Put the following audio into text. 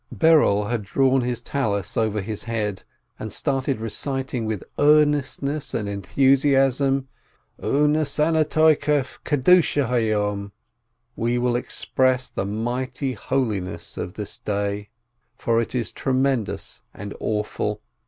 Berel had drawn his Tallis over his head, and started reciting with earnestness and enthusiasm :" We will express the mighty holiness of this Day, For it is tremendous and awful!